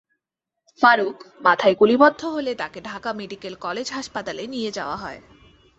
ফারুক মাথায় গুলিবিদ্ধ হলে তাঁকে ঢাকা মেডিকেল কলেজ হাসপাতালে নিয়ে যাওয়া হয়।